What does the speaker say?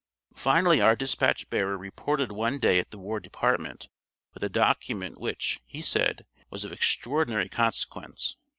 Finally our dispatch bearer reported one day at the War Department with a document which, he said, was of extraordinary consequence.